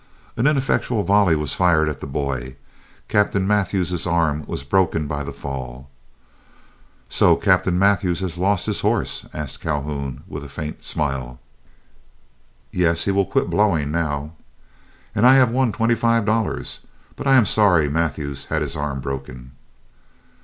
An ineffectual volley was fired at the boy. Captain Mathews's arm was broken by the fall. [Illustration: HE FIRED AT CONWAY.] "So Captain Mathews has lost his horse?" asked Calhoun, with a faint smile. "Yes, he will quit blowing now." "And I have won twenty five dollars; but I am sorry Mathews had his arm broken."